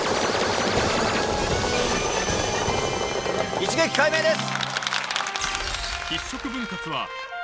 一撃解明です！